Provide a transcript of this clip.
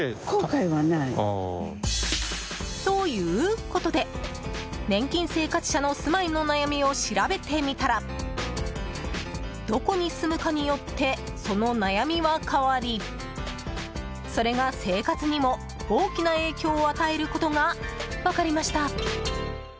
ということで、年金生活者の住まいの悩みを調べてみたらどこに住むかによってその悩みは変わりそれが生活にも大きな影響を与えることが分かりました。